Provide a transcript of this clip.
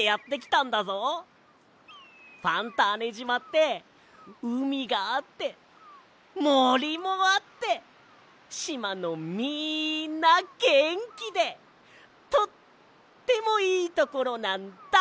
ファンターネじまってうみがあってもりもあってしまのみんなげんきでとってもいいところなんだ。